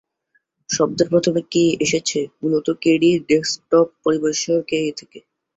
শব্দের প্রথমে 'কে' এসেছে মূলত কেডিই ডেস্কটপ পরিবেশের 'কে' থেকে।